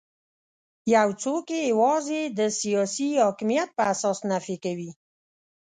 یو څوک یې یوازې د سیاسي حاکمیت په اساس نفي کوي.